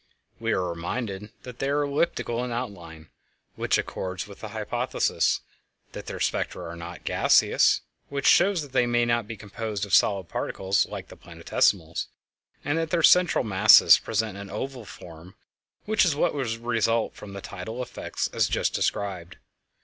We are reminded that they are elliptical in outline, which accords with the hypothesis; that their spectra are not gaseous, which shows that they may be composed of solid particles like the planetesimals; and that their central masses present an oval form, which is what would result from the tidal effects, as just described.